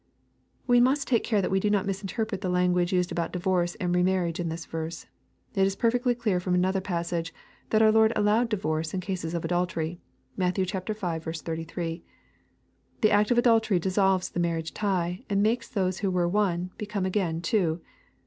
We must take care that we do not misinterpret the language used about divorce and re marriage in this verse. It is perfectly clear from another passage that our Lord allowed divorce in cases of adultery. (Matt. v. 33.) The act of adultery dissolves the marriage tie, and makes those who were one, become again two.